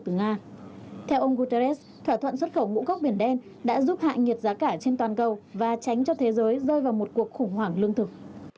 người đứng đầu liên hợp quốc antonio guterres thỏa thuận xuất khẩu ngũ cốc biển đen đã giúp hại nghiệt giá cả trên toàn cầu và tránh cho thế giới rơi vào một cuộc khủng hoảng lương thực